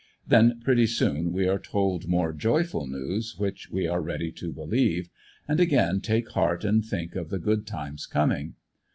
Then, pretty soon, we are told more joyful news which we are ready to believe, and again take heart and think of the good times coming.